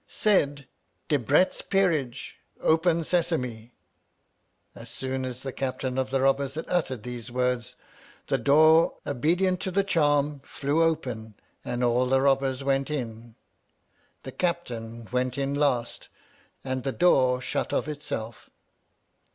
said, Debrett's Peerage. Open Sesame ! As soon as the Captain of the Robbers had uttered these words, the door, obedient to the charm, flew open, and all the robbers went in. The cap tain went in last, and the door shut of itself.